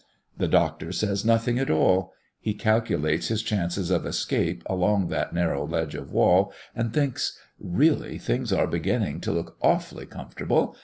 The Doctor says nothing at all; he calculates his chances of escape along that narrow ledge of wall, and thinks: "Really things are beginning to look awfully comfortable.